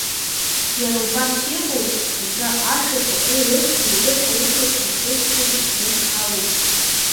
Иара убас иҟоуп аџьа ашәақәа еиуеиԥшым егьырҭ аусуратә процессқәагьы ирыдҳәалоу.